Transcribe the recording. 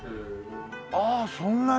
ああそんなに！